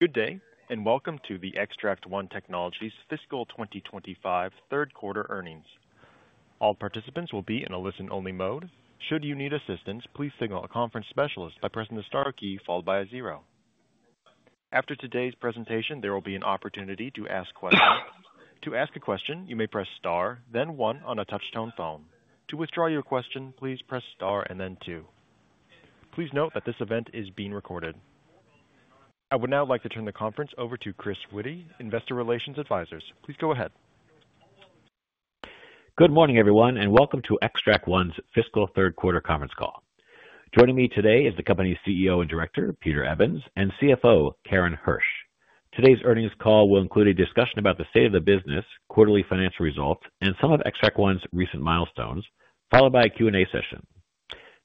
Good day, and welcome to the Xtract One Technologies fiscal 2025 third quarter earnings. All participants will be in a listen-only mode. Should you need assistance, please signal a conference specialist by pressing the star key followed by a zero. After today's presentation, there will be an opportunity to ask questions. To ask a question, you may press star, then one on a touch-tone phone. To withdraw your question, please press star and then two. Please note that this event is being recorded. I would now like to turn the conference over to Chris Witty, Investor Relations Advisor. Please go ahead. Good morning, everyone, and welcome to Xtract One's fiscal third quarter conference call. Joining me today is the company's CEO and Director, Peter Evans, and CFO, Karen Hersh. Today's earnings call will include a discussion about the state of the business, quarterly financial results, and some of Xtract One's recent milestones, followed by a Q&A session.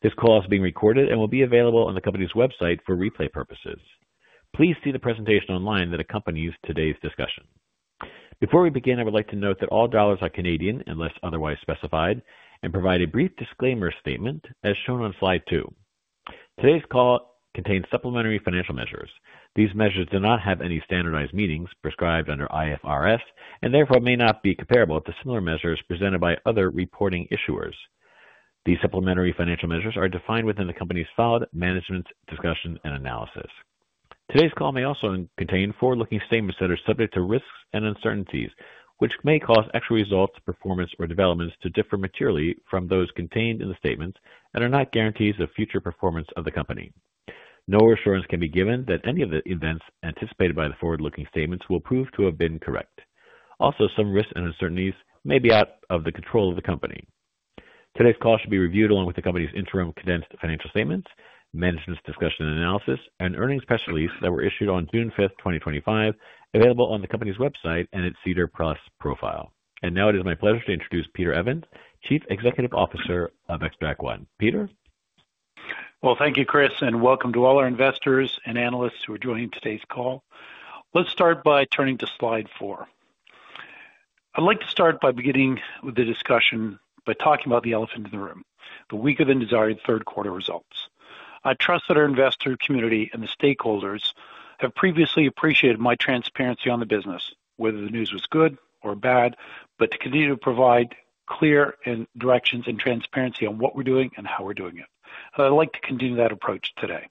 This call is being recorded and will be available on the company's website for replay purposes. Please see the presentation online that accompanies today's discussion. Before we begin, I would like to note that all dollars are CAD unless otherwise specified, and provide a brief disclaimer statement as shown on slide two. Today's call contains supplementary financial measures. These measures do not have any standardized meanings prescribed under IFRS, and therefore may not be comparable to similar measures presented by other reporting issuers. These supplementary financial measures are defined within the company's solid management discussion and analysis. Today's call may also contain forward-looking statements that are subject to risks and uncertainties, which may cause actual results, performance, or developments to differ materially from those contained in the statements and are not guarantees of future performance of the company. No assurance can be given that any of the events anticipated by the forward-looking statements will prove to have been correct. Also, some risks and uncertainties may be out of the control of the company. Today's call should be reviewed along with the company's interim condensed financial statements, management discussion and analysis, and earnings press release that were issued on June 5th, 2025, available on the company's website and its SEDAR+ profile. It is my pleasure to introduce Peter Evans, Chief Executive Officer of Xtract One. Peter. Thank you, Chris, and welcome to all our investors and analysts who are joining today's call. Let's start by turning to slide four. I'd like to start by beginning with the discussion by talking about the elephant in the room, the weaker than desired third quarter results. I trust that our investor community and the stakeholders have previously appreciated my transparency on the business, whether the news was good or bad, to continue to provide clear directions and transparency on what we're doing and how we're doing it. I'd like to continue that approach today.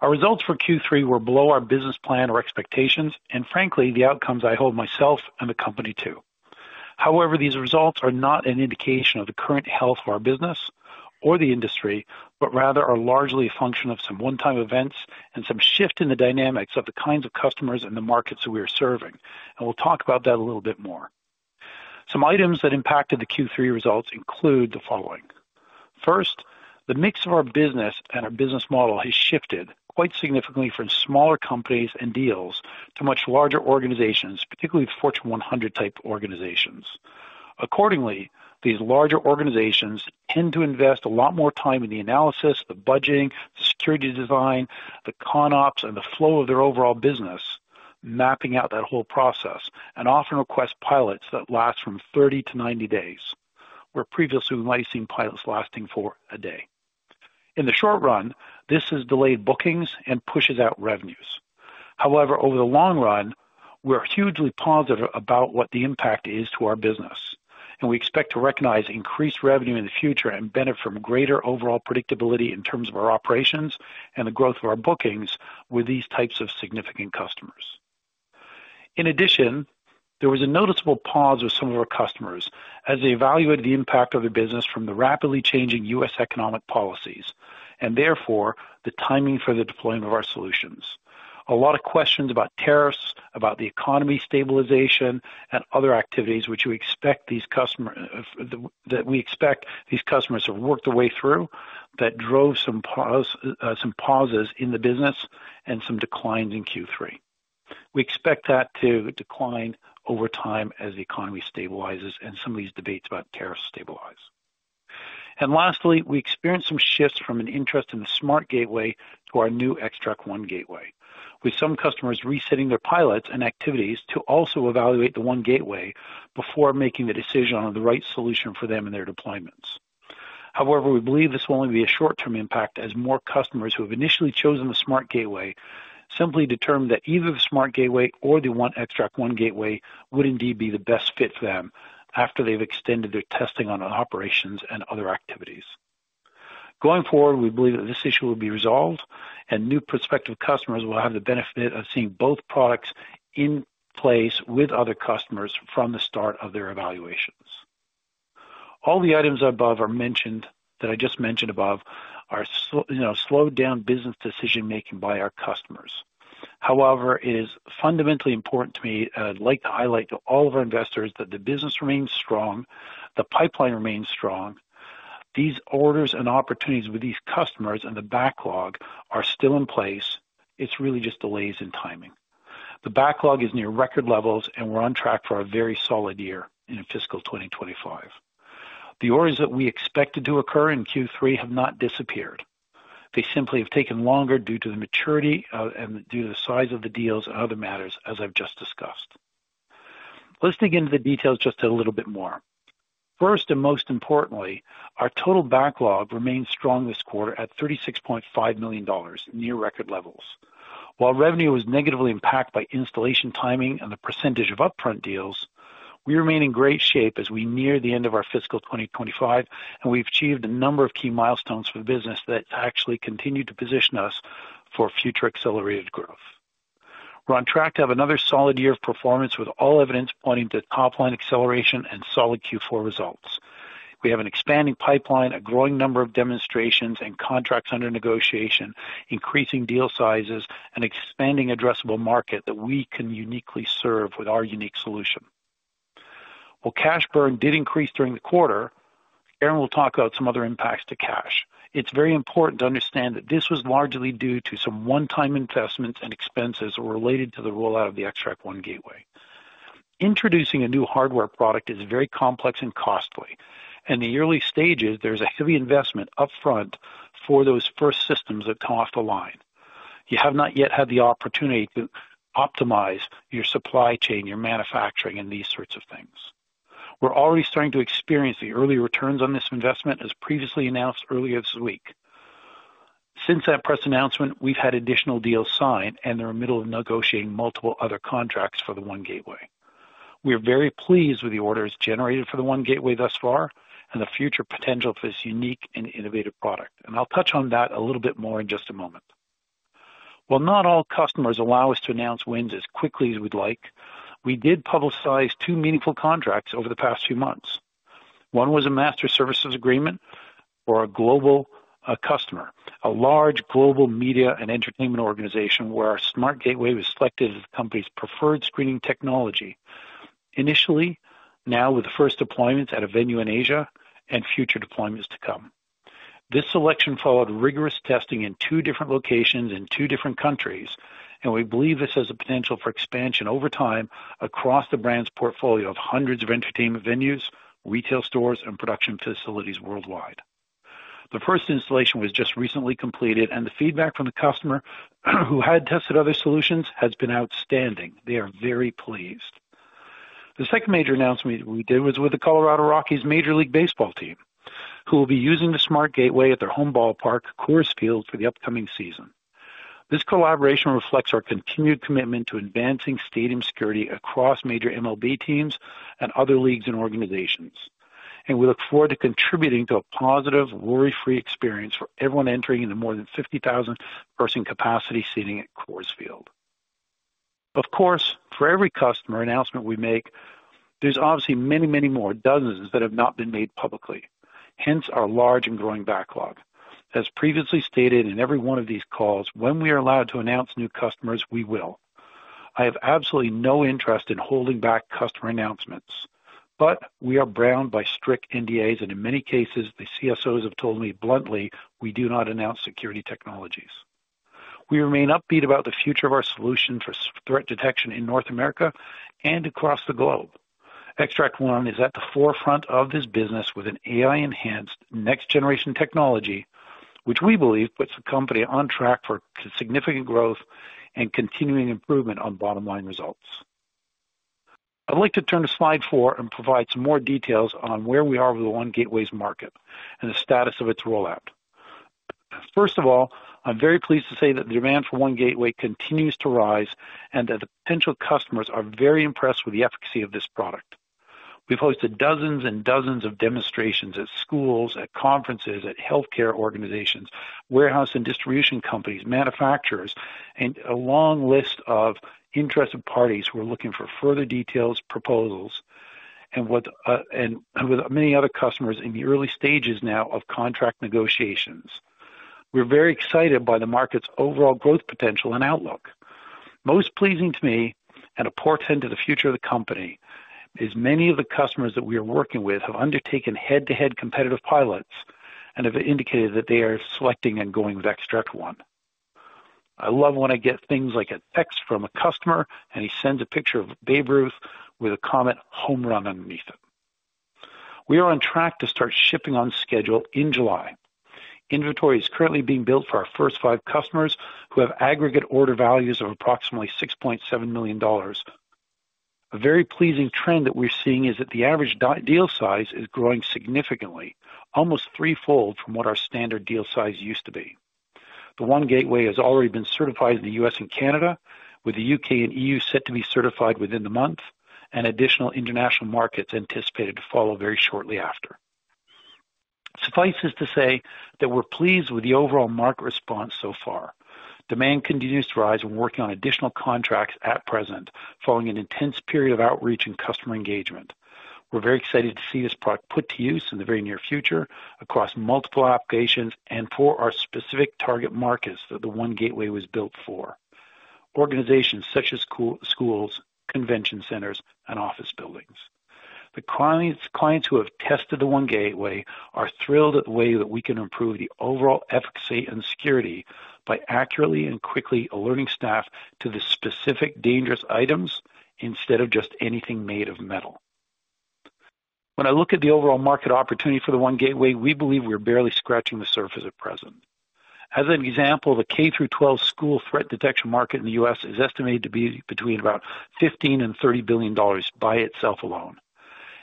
Our results for Q3 were below our business plan or expectations, and frankly, the outcomes I hold myself and the company to. However, these results are not an indication of the current health of our business or the industry, but rather are largely a function of some one-time events and some shift in the dynamics of the kinds of customers and the markets that we are serving. We will talk about that a little bit more. Some items that impacted the Q3 results include the following. First, the mix of our business and our business model has shifted quite significantly from smaller companies and deals to much larger organizations, particularly Fortune 100 type organizations. Accordingly, these larger organizations tend to invest a lot more time in the analysis, the budgeting, the security design, the con ops, and the flow of their overall business, mapping out that whole process, and often request pilots that last from 30-90 days, where previously we might have seen pilots lasting for a day. In the short run, this has delayed bookings and pushes out revenues. However, over the long run, we're hugely positive about what the impact is to our business, and we expect to recognize increased revenue in the future and benefit from greater overall predictability in terms of our operations and the growth of our bookings with these types of significant customers. In addition, there was a noticeable pause with some of our customers as they evaluated the impact of the business from the rapidly changing U.S. economic policies and therefore the timing for the deployment of our solutions. A lot of questions about tariffs, about the economy stabilization, and other activities which we expect these customers have worked their way through that drove some pauses in the business and some declines in Q3. We expect that to decline over time as the economy stabilizes and some of these debates about tariffs stabilize. Lastly, we experienced some shifts from an interest in the SmartGateway to our new Xtract One Gateway, with some customers resetting their pilots and activities to also evaluate the One Gateway before making the decision on the right solution for them and their deployments. However, we believe this will only be a short-term impact as more customers who have initially chosen the SmartGateway simply determined that either the SmartGateway or the Xtract One Gateway would indeed be the best fit for them after they've extended their testing on operations and other activities. Going forward, we believe that this issue will be resolved, and new prospective customers will have the benefit of seeing both products in place with other customers from the start of their evaluations. All the items above that I just mentioned above are slowed down business decision-making by our customers. However, it is fundamentally important to me and I'd like to highlight to all of our investors that the business remains strong, the pipeline remains strong. These orders and opportunities with these customers and the backlog are still in place. It's really just delays in timing. The backlog is near record levels, and we're on track for a very solid year in fiscal 2025. The orders that we expected to occur in Q3 have not disappeared. They simply have taken longer due to the maturity and due to the size of the deals and other matters, as I've just discussed. Let's dig into the details just a little bit more. First, and most importantly, our total backlog remains strong this quarter at 36.5 million dollars, near record levels. While revenue was negatively impacted by installation timing and the percentage of upfront deals, we remain in great shape as we near the end of our fiscal 2025, and we've achieved a number of key milestones for the business that actually continue to position us for future accelerated growth. We're on track to have another solid year of performance with all evidence pointing to top-line acceleration and solid Q4 results. We have an expanding pipeline, a growing number of demonstrations and contracts under negotiation, increasing deal sizes, and expanding addressable market that we can uniquely serve with our unique solution. While cash burn did increase during the quarter, Karen will talk about some other impacts to cash. It's very important to understand that this was largely due to some one-time investments and expenses related to the rollout of the Xtract One Gateway. Introducing a new hardware product is very complex and costly, and in the early stages, there's a heavy investment upfront for those first systems that come off the line. You have not yet had the opportunity to optimize your supply chain, your manufacturing, and these sorts of things. We're already starting to experience the early returns on this investment, as previously announced earlier this week. Since that press announcement, we've had additional deals signed, and they're in the middle of negotiating multiple other contracts for the One Gateway. We are very pleased with the orders generated for the One Gateway thus far and the future potential for this unique and innovative product. I'll touch on that a little bit more in just a moment. While not all customers allow us to announce wins as quickly as we'd like, we did publicize two meaningful contracts over the past few months. One was a master services agreement for a global customer, a large global media and entertainment organization where our SmartGateway was selected as the company's preferred screening technology initially, now with the first deployments at a venue in Asia and future deployments to come. This selection followed rigorous testing in two different locations in two different countries, and we believe this has the potential for expansion over time across the brand's portfolio of hundreds of entertainment venues, retail stores, and production facilities worldwide. The first installation was just recently completed, and the feedback from the customer who had tested other solutions has been outstanding. They are very pleased. The second major announcement we did was with the Colorado Rockies Major League Baseball team, who will be using the SmartGateway at their home ballpark, Coors Field, for the upcoming season. This collaboration reflects our continued commitment to advancing stadium security across major MLB teams and other leagues and organizations. We look forward to contributing to a positive, worry-free experience for everyone entering in the more than 50,000-person capacity seating at Coors Field. Of course, for every customer announcement we make, there are obviously many, many more dozens that have not been made publicly. Hence our large and growing backlog. As previously stated in every one of these calls, when we are allowed to announce new customers, we will. I have absolutely no interest in holding back customer announcements, but we are bound by strict NDAs, and in many cases, the CSOs have told me bluntly, "We do not announce security technologies." We remain upbeat about the future of our solution for threat detection in North America and across the globe. Xtract One is at the forefront of this business with an AI-enhanced next-generation technology, which we believe puts the company on track for significant growth and continuing improvement on bottom-line results. I'd like to turn to slide four and provide some more details on where we are with the One Gateway's market and the status of its rollout. First of all, I'm very pleased to say that the demand for One Gateway continues to rise and that the potential customers are very impressed with the efficacy of this product. We've hosted dozens and dozens of demonstrations at schools, at conferences, at healthcare organizations, warehouse and distribution companies, manufacturers, and a long list of interested parties who are looking for further details, proposals, and with many other customers in the early stages now of contract negotiations. We're very excited by the market's overall growth potential and outlook. Most pleasing to me and a portent of the future of the company is many of the customers that we are working with have undertaken head-to-head competitive pilots and have indicated that they are selecting and going with Xtract One. I love when I get things like a text from a customer and he sends a picture of Babe Ruth with a comment "Home Run" underneath it. We are on track to start shipping on schedule in July. Inventory is currently being built for our first five customers who have aggregate order values of approximately 6.7 million dollars. A very pleasing trend that we're seeing is that the average deal size is growing significantly, almost threefold from what our standard deal size used to be. The One Gateway has already been certified in the U.S. and Canada, with the U.K. and E.U. Set to be certified within the month, and additional international markets anticipated to follow very shortly after. Suffice it to say that we're pleased with the overall market response so far. Demand continues to rise, and we're working on additional contracts at present following an intense period of outreach and customer engagement. We're very excited to see this product put to use in the very near future across multiple applications and for our specific target markets that the One Gateway was built for: organizations such as schools, convention centers, and office buildings. The clients who have tested the One Gateway are thrilled at the way that we can improve the overall efficacy and security by accurately and quickly alerting staff to the specific dangerous items instead of just anything made of metal. When I look at the overall market opportunity for the One Gateway, we believe we're barely scratching the surface at present. As an example, the K-12 school threat detection market in the U.S. is estimated to be between about $15 billion and $30 billion by itself alone.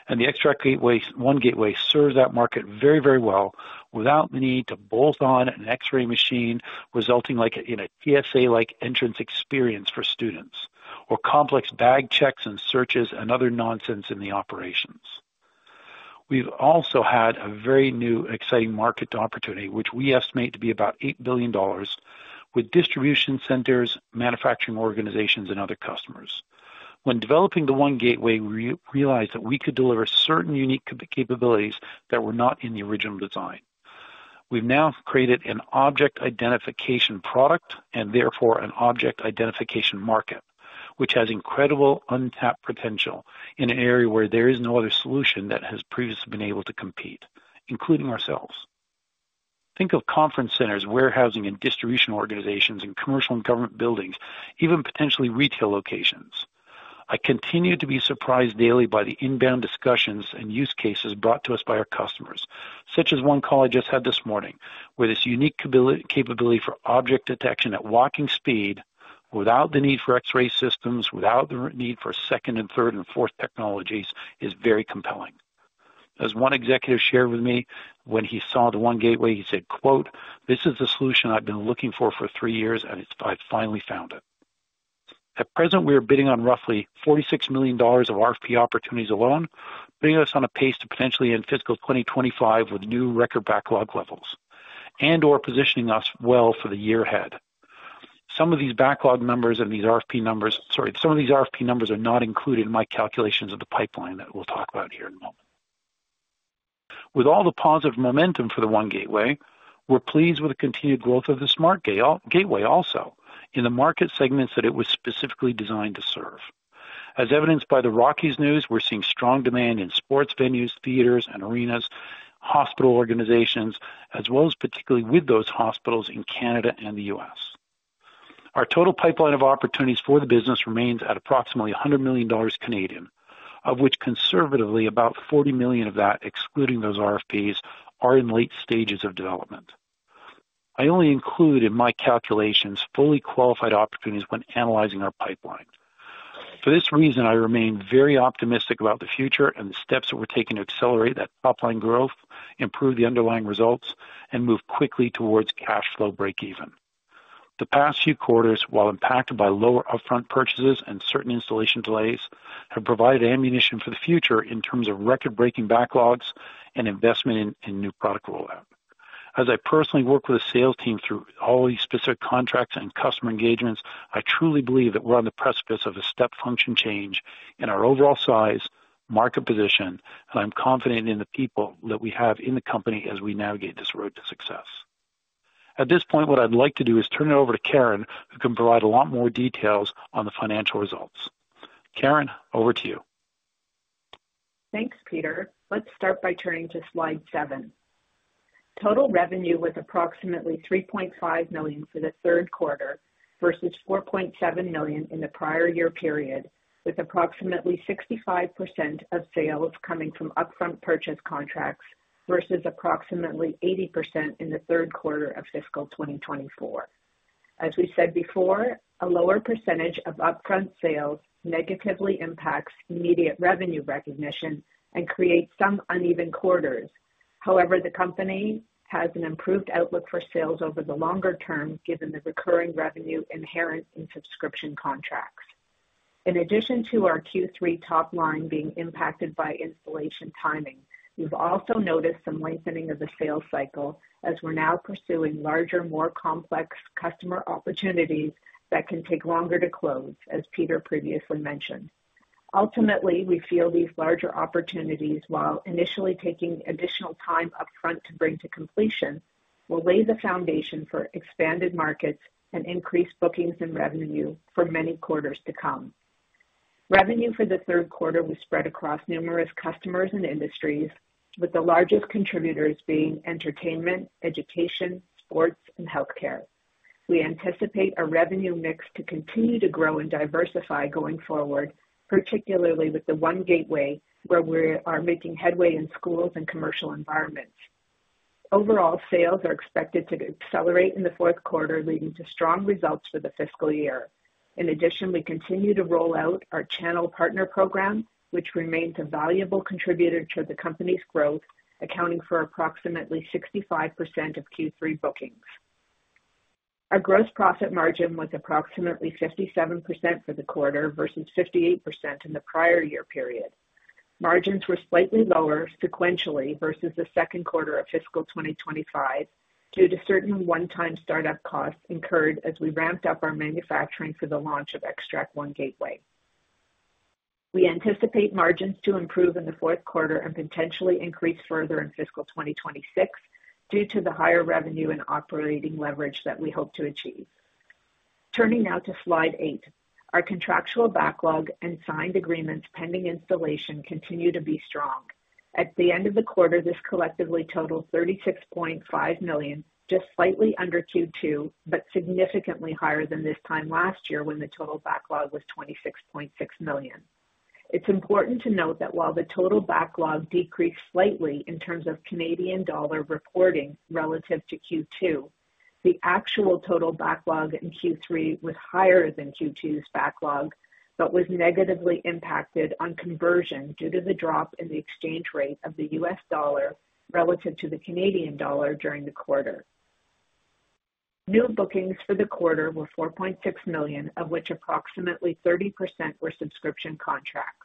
The Xtract One Gateway serves that market very, very well without the need to bolt on an X-ray machine, resulting in a TSA-like entrance experience for students or complex bag checks and searches and other nonsense in the operations. We have also had a very new exciting market opportunity, which we estimate to be about $8 billion, with distribution centers, manufacturing organizations, and other customers. When developing the One Gateway, we realized that we could deliver certain unique capabilities that were not in the original design. We've now created an object identification product and therefore an object identification market, which has incredible untapped potential in an area where there is no other solution that has previously been able to compete, including ourselves. Think of conference centers, warehousing, and distribution organizations in commercial and government buildings, even potentially retail locations. I continue to be surprised daily by the inbound discussions and use cases brought to us by our customers, such as one call I just had this morning, where this unique capability for object detection at walking speed without the need for X-ray systems, without the need for second and third and fourth technologies, is very compelling. As one executive shared with me, when he saw the One Gateway, he said, "This is the solution I've been looking for for three years, and I finally found it." At present, we are bidding on roughly $46 million of RFP opportunities alone, putting us on a pace to potentially end fiscal 2025 with new record backlog levels and/or positioning us well for the year ahead. Some of these RFP numbers are not included in my calculations of the pipeline that we'll talk about here in a moment. With all the positive momentum for the One Gateway, we're pleased with the continued growth of the SmartGateway also in the market segments that it was specifically designed to serve. As evidenced by the Rockies news, we're seeing strong demand in sports venues, theaters, and arenas, hospital organizations, as well as particularly with those hospitals in Canada and the U.S. Our total pipeline of opportunities for the business remains at approximately 100 million Canadian dollars, of which conservatively about 40 million, excluding those RFPs, are in late stages of development. I only include in my calculations fully qualified opportunities when analyzing our pipeline. For this reason, I remain very optimistic about the future and the steps that we're taking to accelerate that top-line growth, improve the underlying results, and move quickly towards cash flow breakeven. The past few quarters, while impacted by lower upfront purchases and certain installation delays, have provided ammunition for the future in terms of record-breaking backlogs and investment in new product rollout. As I personally work with the sales team through all these specific contracts and customer engagements, I truly believe that we're on the precipice of a step function change in our overall size, market position, and I'm confident in the people that we have in the company as we navigate this road to success. At this point, what I'd like to do is turn it over to Karen, who can provide a lot more details on the financial results. Karen, over to you. Thanks, Peter. Let's start by turning to slide seven. Total revenue was approximately 3.5 million for the third quarter versus 4.7 million in the prior year period, with approximately 65% of sales coming from upfront purchase contracts versus approximately 80% in the third quarter of fiscal 2024. As we said before, a lower percentage of upfront sales negatively impacts immediate revenue recognition and creates some uneven quarters. However, the company has an improved outlook for sales over the longer term given the recurring revenue inherent in subscription contracts. In addition to our Q3 top line being impacted by installation timing, we've also noticed some lengthening of the sales cycle as we're now pursuing larger, more complex customer opportunities that can take longer to close, as Peter previously mentioned. Ultimately, we feel these larger opportunities, while initially taking additional time upfront to bring to completion, will lay the foundation for expanded markets and increased bookings and revenue for many quarters to come. Revenue for the third quarter was spread across numerous customers and industries, with the largest contributors being entertainment, education, sports, and healthcare. We anticipate a revenue mix to continue to grow and diversify going forward, particularly with the One Gateway where we are making headway in schools and commercial environments. Overall, sales are expected to accelerate in the fourth quarter, leading to strong results for the fiscal year. In addition, we continue to roll out our channel partner program, which remains a valuable contributor to the company's growth, accounting for approximately 65% of Q3 bookings. Our gross profit margin was approximately 57% for the quarter versus 58% in the prior year period. Margins were slightly lower sequentially versus the second quarter of fiscal 2025 due to certain one-time startup costs incurred as we ramped up our manufacturing for the launch of Xtract One Gateway. We anticipate margins to improve in the fourth quarter and potentially increase further in fiscal 2026 due to the higher revenue and operating leverage that we hope to achieve. Turning now to slide eight, our contractual backlog and signed agreements pending installation continue to be strong. At the end of the quarter, this collectively totaled 36.5 million, just slightly under Q2, but significantly higher than this time last year when the total backlog was 26.6 million. It's important to note that while the total backlog decreased slightly in terms of Canadian dollar reporting relative to Q2, the actual total backlog in Q3 was higher than Q2's backlog but was negatively impacted on conversion due to the drop in the exchange rate of the U.S. dollar relative to the Canadian dollar during the quarter. New bookings for the quarter were 4.6 million, of which approximately 30% were subscription contracts.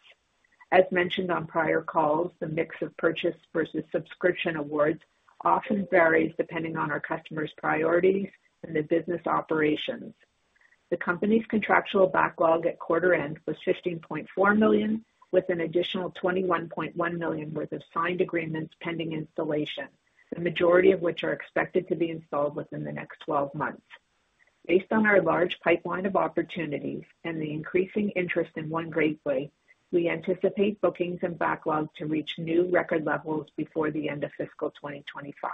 As mentioned on prior calls, the mix of purchase versus subscription awards often varies depending on our customers' priorities and the business operations. The company's contractual backlog at quarter end was 15.4 million, with an additional 21.1 million worth of signed agreements pending installation, the majority of which are expected to be installed within the next 12 months. Based on our large pipeline of opportunities and the increasing interest in One Gateway, we anticipate bookings and backlog to reach new record levels before the end of fiscal 2025.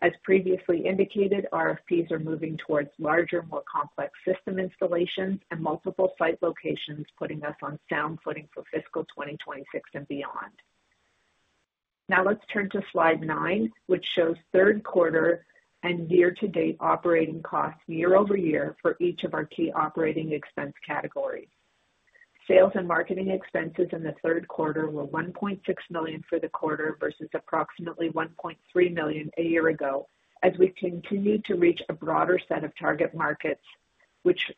As previously indicated, RFPs are moving towards larger, more complex system installations and multiple site locations, putting us on sound footing for fiscal 2026 and beyond. Now let's turn to slide nine, which shows third quarter and year-to-date operating costs year over year for each of our key operating expense categories. Sales and marketing expenses in the third quarter were 1.6 million for the quarter versus approximately 1.3 million a year ago as we continue to reach a broader set of target markets, which,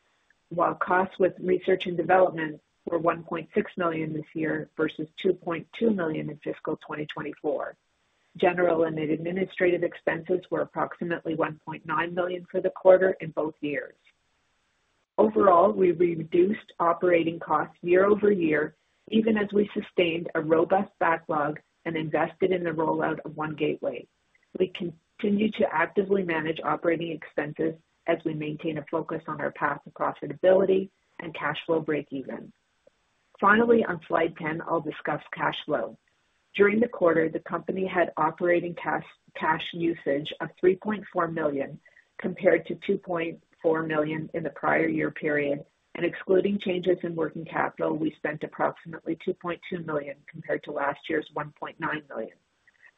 while costs with research and development were 1.6 million this year versus 2.2 million in fiscal 2024. General and administrative expenses were approximately 1.9 million for the quarter in both years. Overall, we reduced operating costs year over year, even as we sustained a robust backlog and invested in the rollout of One Gateway. We continue to actively manage operating expenses as we maintain a focus on our path to profitability and cash flow breakeven. Finally, on slide 10, I'll discuss cash flow. During the quarter, the company had operating cash usage of 3.4 million compared to 2.4 million in the prior year period, and excluding changes in working capital, we spent approximately 2.2 million compared to last year's 1.9 million.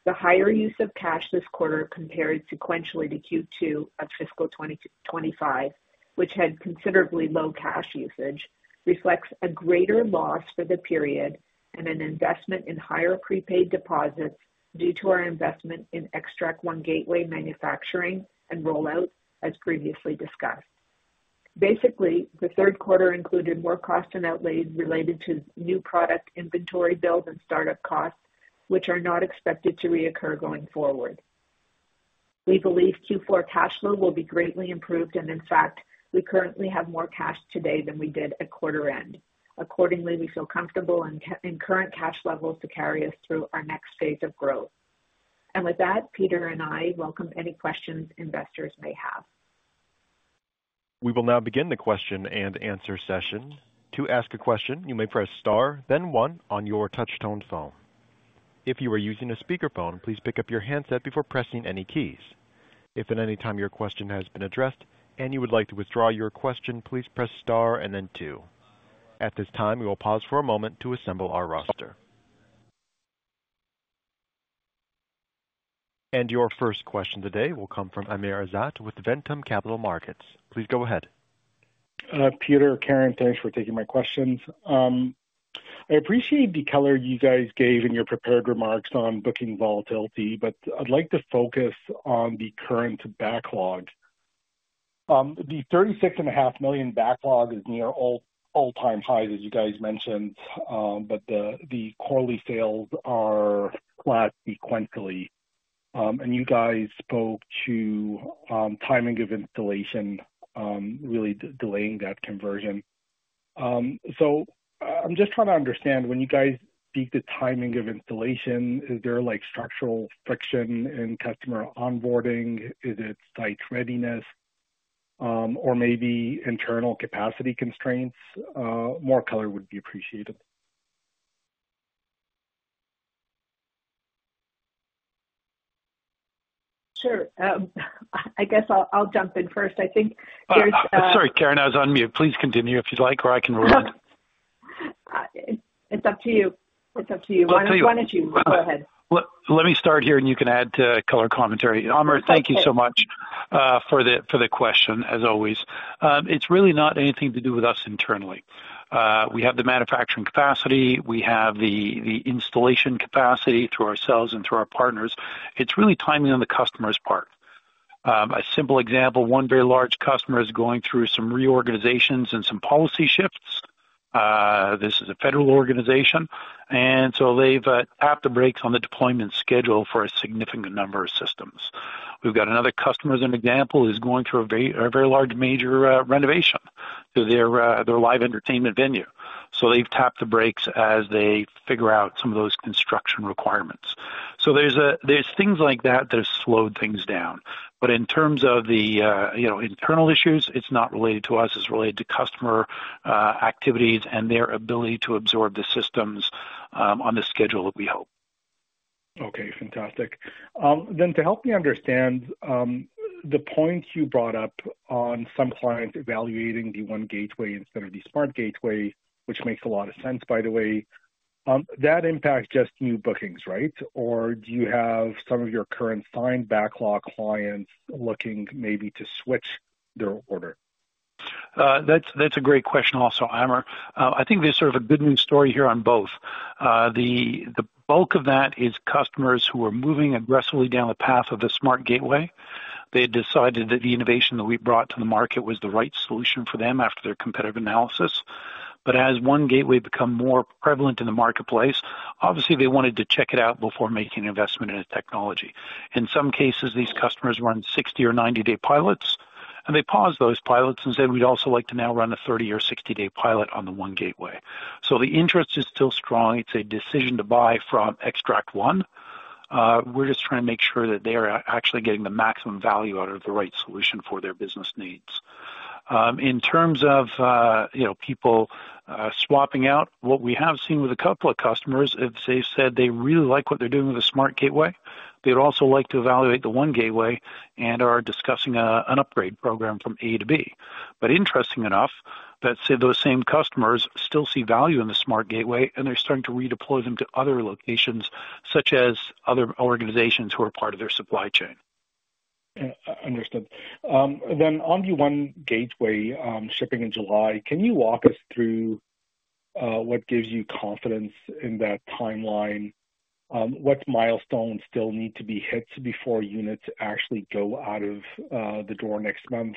The higher use of cash this quarter compared sequentially to Q2 of fiscal 2025, which had considerably low cash usage, reflects a greater loss for the period and an investment in higher prepaid deposits due to our investment in Xtract One Gateway manufacturing and rollout, as previously discussed. Basically, the third quarter included more costs and outlays related to new product inventory build and startup costs, which are not expected to reoccur going forward. We believe Q4 cash flow will be greatly improved, and in fact, we currently have more cash today than we did at quarter end. Accordingly, we feel comfortable in current cash levels to carry us through our next phase of growth. With that, Peter and I welcome any questions investors may have. We will now begin the question and answer session. To ask a question, you may press star, then one on your touch-tone phone. If you are using a speakerphone, please pick up your handset before pressing any keys. If at any time your question has been addressed and you would like to withdraw your question, please press star and then two. At this time, we will pause for a moment to assemble our roster. Your first question today will come from Amr Ezzat with Ventum Capital Markets. Please go ahead. Peter, Karen, thanks for taking my questions. I appreciate the color you guys gave in your prepared remarks on booking volatility, but I'd like to focus on the current backlog. The 36.5 million backlog is near all-time highs, as you guys mentioned, but the quarterly sales are flat sequentially. You guys spoke to timing of installation really delaying that conversion. I'm just trying to understand when you guys speak to timing of installation, is there structural friction in customer onboarding? Is it site readiness or maybe internal capacity constraints? More color would be appreciated. Sure. I guess I'll jump in first. I think there's— Sorry, Karen, I was on mute. Please continue if you'd like, or I can run. It's up to you. It's up to you. Why don't you go ahead? Let me start here, and you can add color commentary. Amr, thank you so much for the question, as always. It's really not anything to do with us internally. We have the manufacturing capacity. We have the installation capacity through ourselves and through our partners. It's really timing on the customer's part. A simple example, one very large customer is going through some reorganizations and some policy shifts. This is a federal organization, and so they've tapped the brakes on the deployment schedule for a significant number of systems. We've got another customer as an example who is going through a very large major renovation to their live entertainment venue. They have tapped the brakes as they figure out some of those construction requirements. There are things like that that have slowed things down. In terms of the internal issues, it's not related to us. It's related to customer activities and their ability to absorb the systems on the schedule that we hope. Okay. Fantastic. To help me understand, the points you brought up on some clients evaluating the One Gateway instead of the SmartGateway, which makes a lot of sense, by the way, that impacts just new bookings, right? Or do you have some of your current signed backlog clients looking maybe to switch their order? That's a great question also, Amr. I think there's sort of a good news story here on both. The bulk of that is customers who are moving aggressively down the path of the SmartGateway. They decided that the innovation that we brought to the market was the right solution for them after their competitive analysis. As One Gateway becomes more prevalent in the marketplace, obviously, they wanted to check it out before making an investment in a technology. In some cases, these customers run 60 or 90-day pilots, and they paused those pilots and said, "We'd also like to now run a 30 or 60-day pilot on the One Gateway." The interest is still strong. It's a decision to buy from Xtract One. We're just trying to make sure that they're actually getting the maximum value out of the right solution for their business needs. In terms of people swapping out, what we have seen with a couple of customers is they've said they really like what they're doing with the SmartGateway. They'd also like to evaluate the One Gateway and are discussing an upgrade program from A to B. Interesting enough, those same customers still see value in the SmartGateway, and they're starting to redeploy them to other locations, such as other organizations who are part of their supply chain. Understood. On the One Gateway shipping in July, can you walk us through what gives you confidence in that timeline? What milestones still need to be hit before units actually go out of the door next month?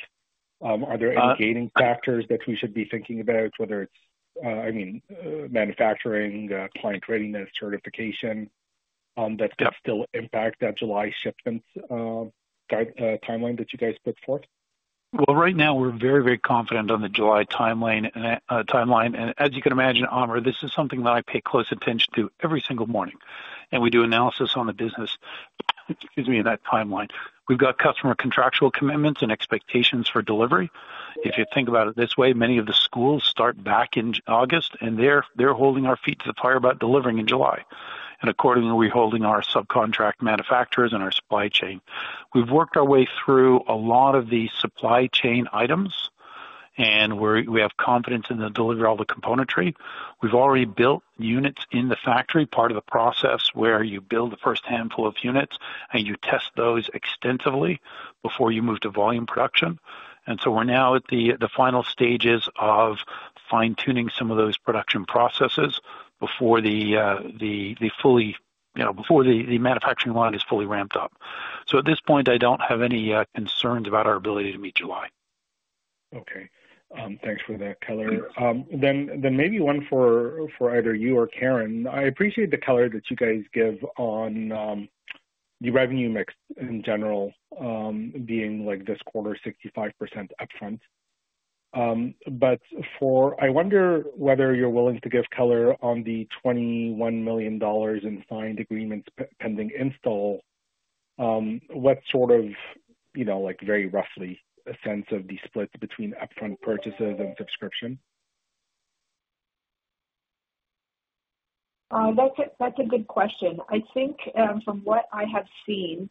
Are there any gating factors that we should be thinking about, whether it's, I mean, manufacturing, client readiness, certification that could still impact that July shipment timeline that you guys put forth? Right now, we're very, very confident on the July timeline. As you can imagine, Amr, this is something that I pay close attention to every single morning. We do analysis on the business, excuse me, in that timeline. We've got customer contractual commitments and expectations for delivery. If you think about it this way, many of the schools start back in August, and they're holding our feet to the fire about delivering in July. Accordingly, we're holding our subcontract manufacturers and our supply chain. We've worked our way through a lot of the supply chain items, and we have confidence in the delivery of all the componentry. We've already built units in the factory, part of the process where you build the first handful of units, and you test those extensively before you move to volume production. We are now at the final stages of fine-tuning some of those production processes before the manufacturing line is fully ramped up. At this point, I do not have any concerns about our ability to meet July. Okay. Thanks for that color. Maybe one for either you or Karen. I appreciate the color that you guys give on the revenue mix in general, being this quarter 65% upfront. I wonder whether you're willing to give color on the $21 million in signed agreements pending install. What sort of, very roughly, a sense of the split between upfront purchases and subscription? That's a good question. I think from what I have seen,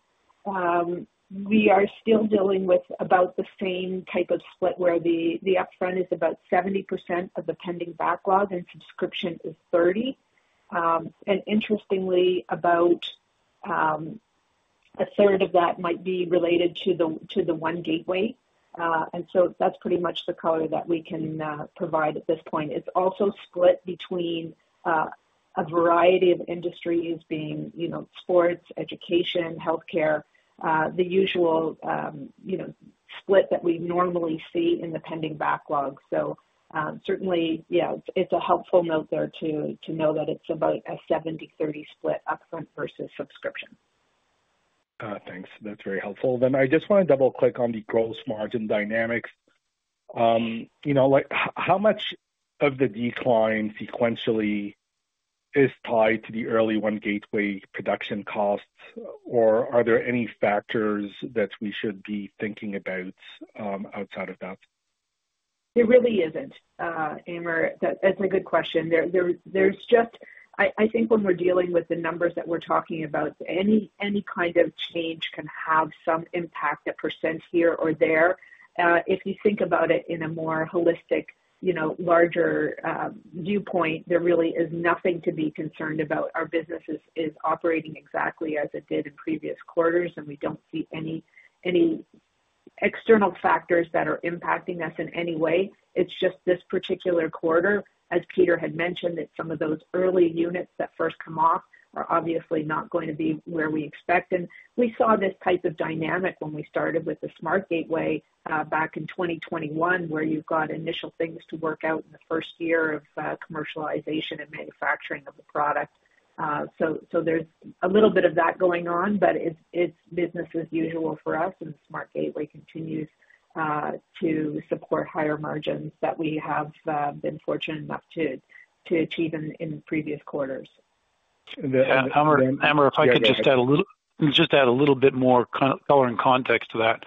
we are still dealing with about the same type of split where the upfront is about 70% of the pending backlog and subscription is 30%. Interestingly, about a third of that might be related to the One Gateway. That's pretty much the color that we can provide at this point. It's also split between a variety of industries being sports, education, healthcare, the usual split that we normally see in the pending backlog. Certainly, yeah, it's a helpful note there to know that it's about a 70/30 split upfront versus subscription. Thanks. That's very helpful. I just want to double-click on the gross margin dynamics. How much of the decline sequentially is tied to the early One Gateway production costs, or are there any factors that we should be thinking about outside of that? There really isn't, Amir. That's a good question. I think when we're dealing with the numbers that we're talking about, any kind of change can have some impact at percent here or there. If you think about it in a more holistic, larger viewpoint, there really is nothing to be concerned about. Our business is operating exactly as it did in previous quarters, and we don't see any external factors that are impacting us in any way. It's just this particular quarter, as Peter had mentioned, that some of those early units that first come off are obviously not going to be where we expect. We saw this type of dynamic when we started with the SmartGateway back in 2021, where you have initial things to work out in the first year of commercialization and manufacturing of the product. There is a little bit of that going on, but it is business as usual for us, and SmartGateway continues to support higher margins that we have been fortunate enough to achieve in previous quarters. Amr, if I could just add a little bit more color and context to that,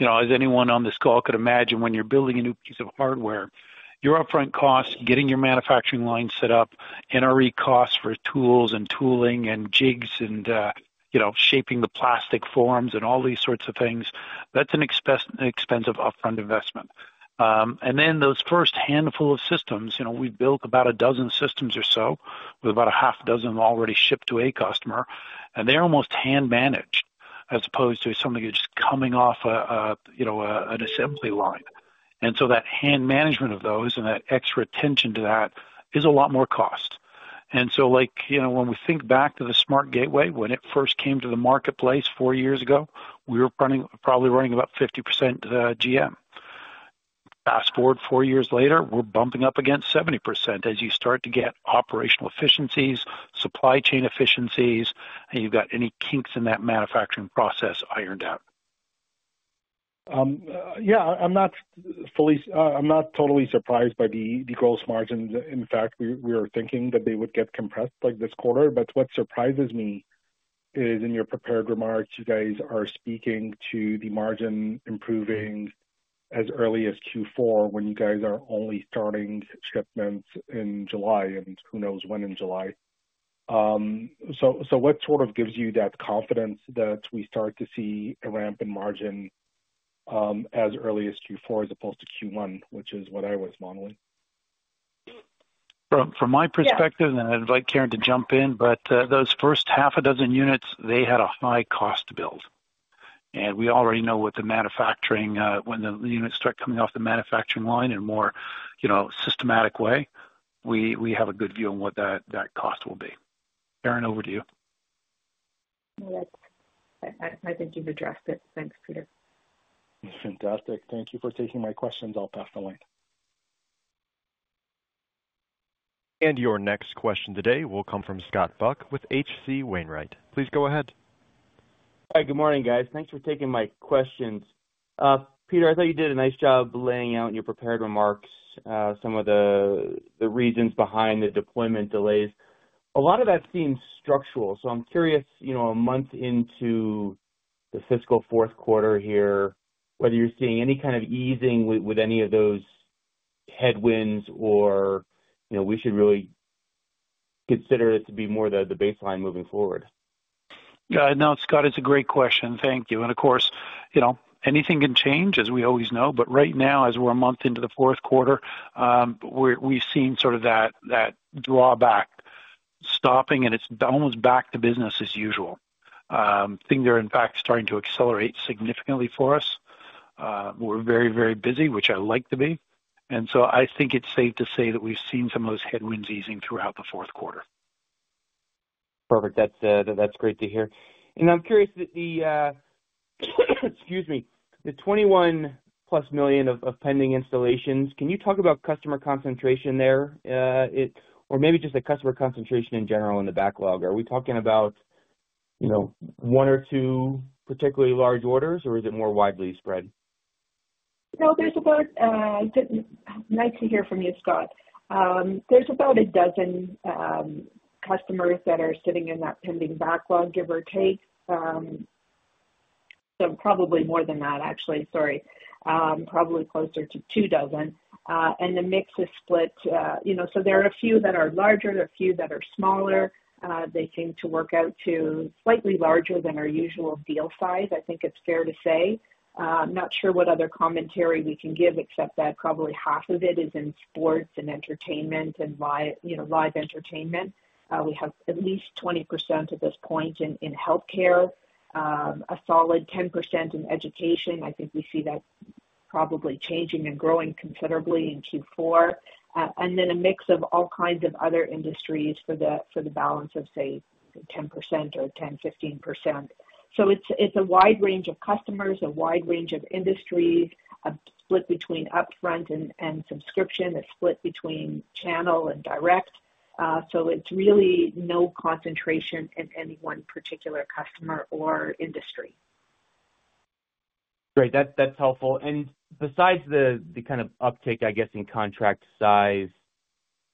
as anyone on this call could imagine, when you are building a new piece of hardware, your upfront costs, getting your manufacturing line set up, NRE costs for tools and tooling and jigs and shaping the plastic forms and all these sorts of things, that is an expensive upfront investment. Those first handful of systems, we've built about a dozen systems or so with about a half dozen already shipped to a customer, and they're almost hand-managed as opposed to something that's just coming off an assembly line. That hand management of those and that extra attention to that is a lot more cost. When we think back to the SmartGateway, when it first came to the marketplace four years ago, we were probably running about 50% GM. Fast forward four years later, we're bumping up against 70% as you start to get operational efficiencies, supply chain efficiencies, and you've got any kinks in that manufacturing process ironed out. Yeah. I'm not totally surprised by the gross margins. In fact, we were thinking that they would get compressed this quarter. What surprises me is in your prepared remarks, you guys are speaking to the margin improving as early as Q4 when you guys are only starting shipments in July, and who knows when in July. What sort of gives you that confidence that we start to see a ramp in margin as early as Q4 as opposed to Q1, which is what I was modeling? From my perspective, and I invite Karen to jump in, those first half a dozen units, they had a high cost to build. We already know what the manufacturing, when the units start coming off the manufacturing line in a more systematic way, we have a good view on what that cost will be. Karen, over to you. I think you've addressed it. Thanks, Peter. Fantastic. Thank you for taking my questions. I'll pass the mic. Your next question today will come from Scott Buck with H.C. Wainwright. Please go ahead. Hi. Good morning, guys. Thanks for taking my questions. Peter, I thought you did a nice job laying out in your prepared remarks some of the reasons behind the deployment delays. A lot of that seems structural. I am curious, a month into the fiscal fourth quarter here, whether you're seeing any kind of easing with any of those headwinds or we should really consider it to be more the baseline moving forward. No, Scott, it's a great question. Thank you. Of course, anything can change, as we always know. Right now, as we're a month into the fourth quarter, we've seen sort of that drawback stopping, and it's almost back to business as usual. I think they're, in fact, starting to accelerate significantly for us. We're very, very busy, which I like to be. I think it's safe to say that we've seen some of those headwinds easing throughout the fourth quarter. Perfect. That's great to hear. I'm curious, excuse me, the 21+ million of pending installations, can you talk about customer concentration there or maybe just the customer concentration in general in the backlog? Are we talking about one or two particularly large orders, or is it more widely spread? No, nice to hear from you, Scott. There's about a dozen customers that are sitting in that pending backlog, give or take. Probably more than that, actually. Sorry. Probably closer to two dozen. The mix is split. There are a few that are larger. There are a few that are smaller. They seem to work out to slightly larger than our usual deal size, I think it's fair to say. I'm not sure what other commentary we can give except that probably half of it is in sports and entertainment and live entertainment. We have at least 20% at this point in healthcare, a solid 10% in education. I think we see that probably changing and growing considerably in Q4. Then a mix of all kinds of other industries for the balance of, say, 10%-15%. It is a wide range of customers, a wide range of industries, a split between upfront and subscription, a split between channel and direct. It is really no concentration in any one particular customer or industry. Great. That's helpful. Besides the kind of uptick, I guess, in contract size,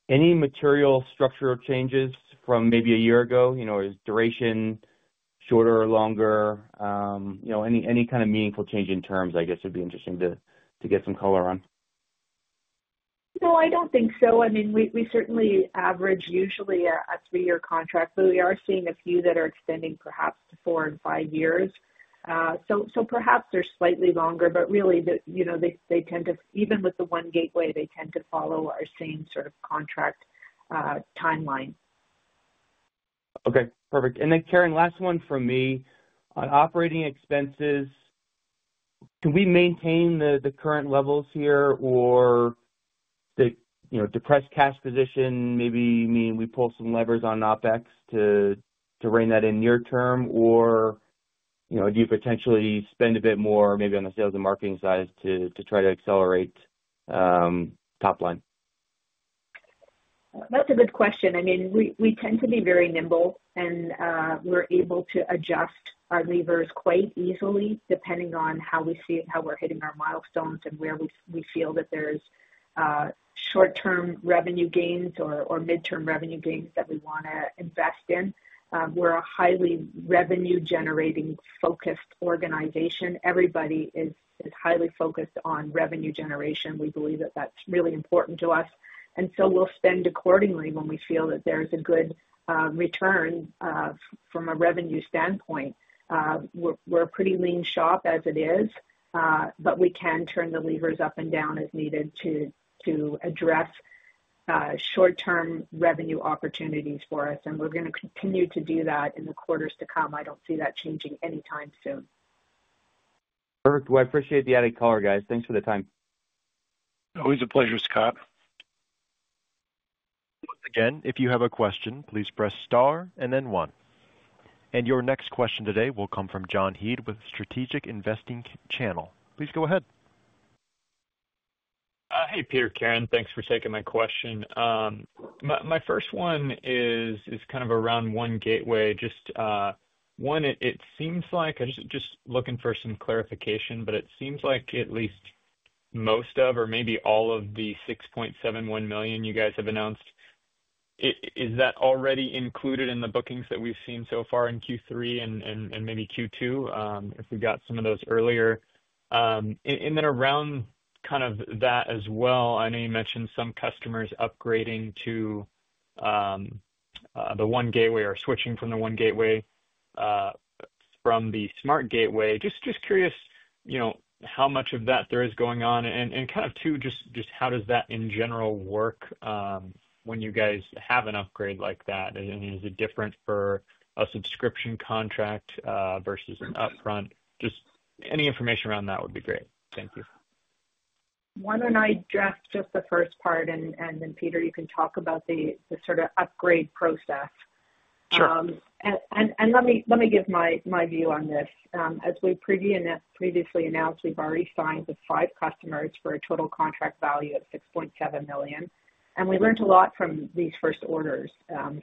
any material structural changes from maybe a year ago? Is duration shorter or longer? Any kind of meaningful change in terms, I guess, would be interesting to get some color on. No, I do not think so. I mean, we certainly average usually a three-year contract, but we are seeing a few that are extending perhaps to four and five years. So perhaps they are slightly longer, but really, they tend to, even with the One Gateway, they tend to follow our same sort of contract timeline. Okay. Perfect. And then, Karen, last one for me. On operating expenses, can we maintain the current levels here or the depressed cash position, maybe mean we pull some levers on OpEx to rein that in near-term, or do you potentially spend a bit more maybe on the sales and marketing side to try to accelerate top line? That is a good question. I mean, we tend to be very nimble, and we're able to adjust our levers quite easily depending on how we see how we're hitting our milestones and where we feel that there's short-term revenue gains or midterm revenue gains that we want to invest in. We're a highly revenue-generating focused organization. Everybody is highly focused on revenue generation. We believe that that's really important to us. We'll spend accordingly when we feel that there is a good return from a revenue standpoint. We're a pretty lean shop as it is, but we can turn the levers up and down as needed to address short-term revenue opportunities for us. We're going to continue to do that in the quarters to come. I don't see that changing anytime soon. Perfect. I appreciate the added color, guys. Thanks for the time. Always a pleasure, Scott. Once again, if you have a question, please press star and then one. Your next question today will come from John Heade with Strategic Investing channel. Please go ahead. Hey, Peter. Karen, thanks for taking my question. My first one is kind of around One Gateway. Just one, it seems like I'm just looking for some clarification, but it seems like at least most of or maybe all of the 6.71 million you guys have announced, is that already included in the bookings that we've seen so far in Q3 and maybe Q2 if we got some of those earlier? Around kind of that as well, I know you mentioned some customers upgrading to the One Gateway or switching from the One Gateway from the SmartGateway. Just curious how much of that there is going on. Kind of two, just how does that in general work when you guys have an upgrade like that? Is it different for a subscription contract versus an upfront? Just any information around that would be great. Thank you. Why don't I draft just the first part, and then, Peter, you can talk about the sort of upgrade process. Sure. Let me give my view on this. As we previously announced, we've already signed with five customers for a total contract value of 6.7 million. We learned a lot from these first orders.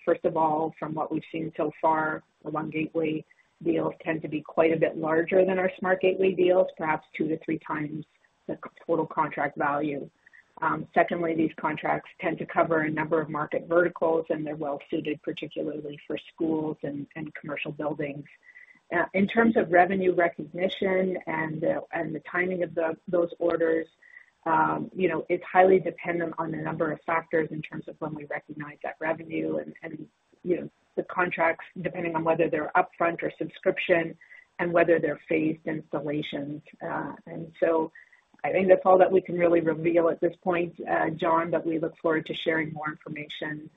First of all, from what we've seen so far, the One Gateway deals tend to be quite a bit larger than our SmartGateway deals, perhaps two to three times the total contract value. Secondly, these contracts tend to cover a number of market verticals, and they're well-suited particularly for schools and commercial buildings. In terms of revenue recognition and the timing of those orders, it's highly dependent on a number of factors in terms of when we recognize that revenue and the contracts, depending on whether they're upfront or subscription and whether they're phased installations. I think that's all that we can really reveal at this point, John, but we look forward to sharing more information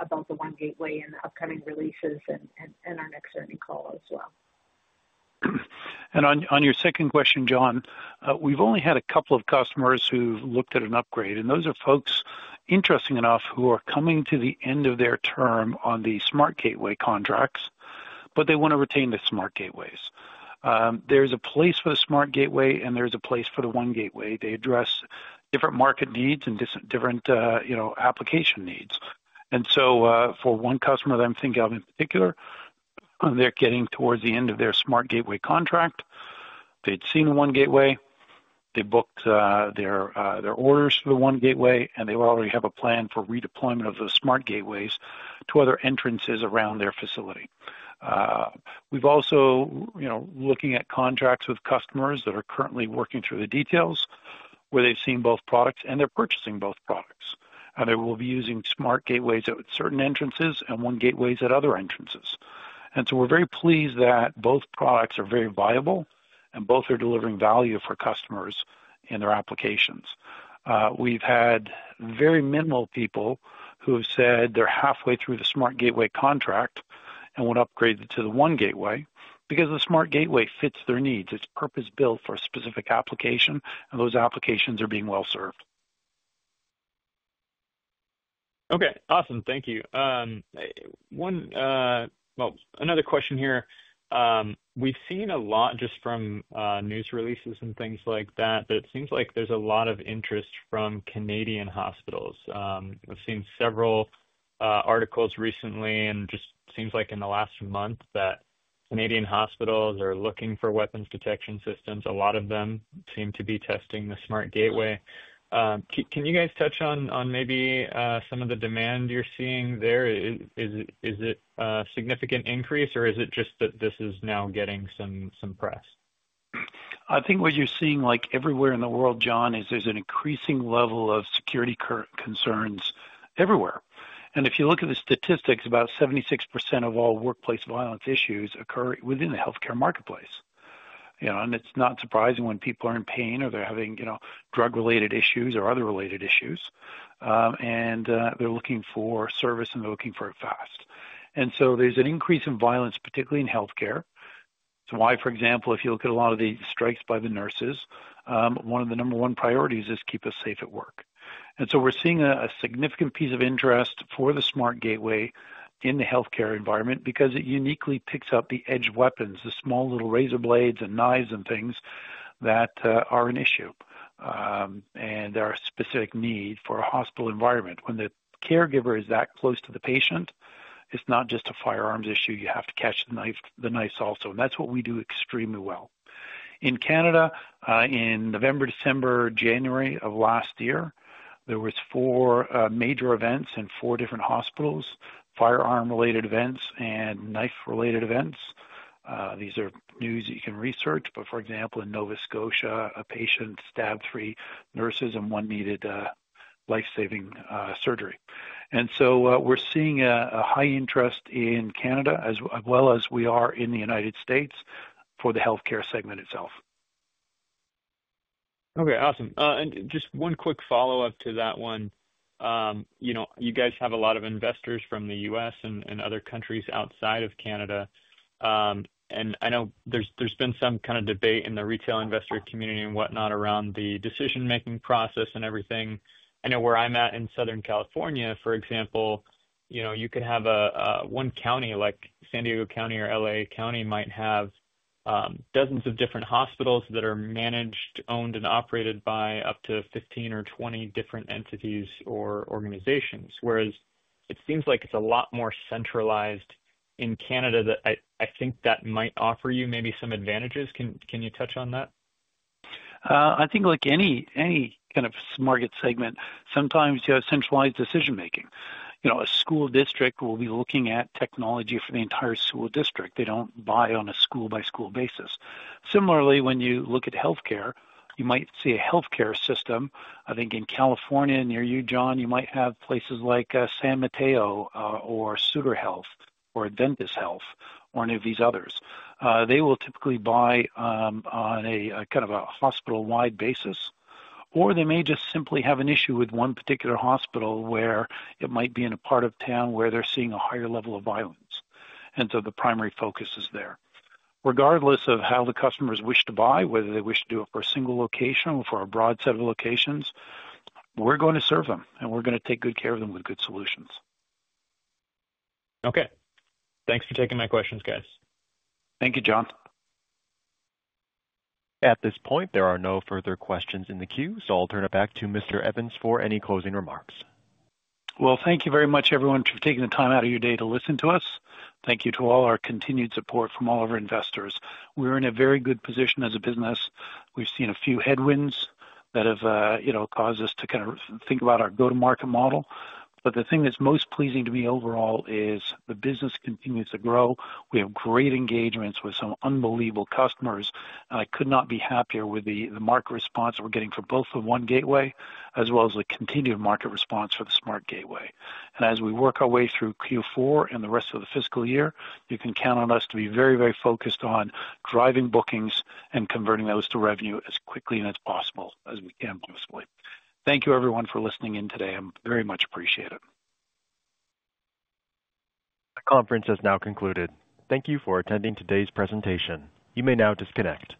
about the One Gateway in the upcoming releases and our next learning call as well. On your second question, John, we've only had a couple of customers who've looked at an upgrade, and those are folks, interesting enough, who are coming to the end of their term on the SmartGateway contracts, but they want to retain the SmartGateways. There's a place for the SmartGateway, and there's a place for the One Gateway. They address different market needs and different application needs. For one customer that I'm thinking of in particular, they're getting towards the end of their SmartGateway contract. They'd seen the One Gateway. They booked their orders for the One Gateway, and they already have a plan for redeployment of the SmartGateways to other entrances around their facility. We've also looked at contracts with customers that are currently working through the details where they've seen both products and they're purchasing both products. They will be using SmartGateways at certain entrances and One Gateways at other entrances. We're very pleased that both products are very viable, and both are delivering value for customers in their applications. We've had very minimal people who have said they're halfway through the SmartGateway contract and want to upgrade to the One Gateway because the SmartGateway fits their needs. It's purpose-built for a specific application, and those applications are being well-served. Okay. Awesome. Thank you. Another question here. We've seen a lot just from news releases and things like that, but it seems like there's a lot of interest from Canadian hospitals. I've seen several articles recently, and it just seems like in the last month that Canadian hospitals are looking for weapons detection systems. A lot of them seem to be testing the SmartGateway. Can you guys touch on maybe some of the demand you're seeing there? Is it a significant increase, or is it just that this is now getting some press? I think what you're seeing everywhere in the world, John, is there's an increasing level of security concerns everywhere. If you look at the statistics, about 76% of all workplace violence issues occur within the healthcare marketplace. It is not surprising when people are in pain or they are having drug-related issues or other related issues, and they are looking for service, and they are looking for it fast. There is an increase in violence, particularly in healthcare. For example, if you look at a lot of the strikes by the nurses, one of the number one priorities is keep us safe at work. We are seeing a significant piece of interest for the SmartGateway in the healthcare environment because it uniquely picks up the edge weapons, the small little razor blades and knives and things that are an issue. There are specific needs for a hospital environment. When the caregiver is that close to the patient, it is not just a firearms issue. You have to catch the knife also. That is what we do extremely well. In Canada, in November, December, January of last year, there were four major events in four different hospitals: firearm-related events and knife-related events. These are news that you can research. For example, in Nova Scotia, a patient stabbed three nurses, and one needed life-saving surgery. We are seeing a high interest in Canada as well as we are in the United States for the healthcare segment itself. Okay. Awesome. Just one quick follow-up to that one. You guys have a lot of investors from the U.S. and other countries outside of Canada. I know there has been some kind of debate in the retail investor community and whatnot around the decision-making process and everything. I know where I'm at in Southern California, for example, you could have one county like San Diego County or L.A. County might have dozens of different hospitals that are managed, owned, and operated by up to 15 or 20 different entities or organizations. Whereas it seems like it's a lot more centralized in Canada that I think that might offer you maybe some advantages. Can you touch on that? I think like any kind of market segment, sometimes you have centralized decision-making. A school district will be looking at technology for the entire school district. They don't buy on a school-by-school basis. Similarly, when you look at healthcare, you might see a healthcare system. I think in California, near you, John, you might have places like San Mateo or Sutter Health or Adventist Health or any of these others. They will typically buy on a kind of a hospital-wide basis, or they may just simply have an issue with one particular hospital where it might be in a part of town where they're seeing a higher level of violence. The primary focus is there. Regardless of how the customers wish to buy, whether they wish to do it for a single location or for a broad set of locations, we're going to serve them, and we're going to take good care of them with good solutions. Okay. Thanks for taking my questions, guys. Thank you, John. At this point, there are no further questions in the queue, so I'll turn it back to Mr. Evans for any closing remarks. Thank you very much, everyone, for taking the time out of your day to listen to us. Thank you to all our continued support from all of our investors. We're in a very good position as a business. We've seen a few headwinds that have caused us to kind of think about our go-to-market model. The thing that's most pleasing to me overall is the business continues to grow. We have great engagements with some unbelievable customers. I could not be happier with the market response we're getting for both the One Gateway as well as the continued market response for the SmartGateway. As we work our way through Q4 and the rest of the fiscal year, you can count on us to be very, very focused on driving bookings and converting those to revenue as quickly and as possible as we can possibly. Thank you, everyone, for listening in today. I very much appreciate it. The conference has now concluded. Thank you for attending today's presentation. You may now disconnect.